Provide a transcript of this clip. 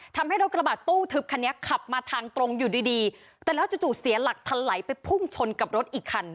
ทำให้รถกระบาดตู้ทึบคันนี้ขับมาทางตรงอยู่ดีดีแต่แล้วจู่เสียหลักทันไหลไปพุ่งชนกับรถอีกคัน